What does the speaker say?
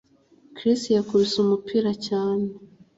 Chris yakubise umupira cyane